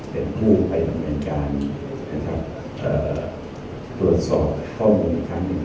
เป็นผู้ไปทำแบ่งการตรวจสอบข้อมูลครั้งหนึ่ง